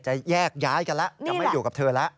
แยกย้ายกันแล้วจะไม่อยู่กับเธอแล้ว